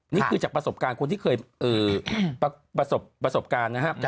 นี่คือจากประสบการณ์คนที่เคยประสบการณ์นะครับ